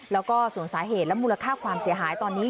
แล้วก็ส่วนสาเหตุและมูลค่าความเสียหายตอนนี้